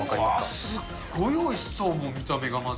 うわ、すっごいおいしそう、もう見た目が、まず。